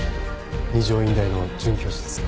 二条院大の准教授です。